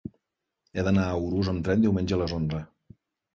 He d'anar a Urús amb tren diumenge a les onze.